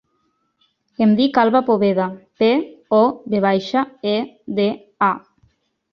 Em dic Alba Poveda: pe, o, ve baixa, e, de, a.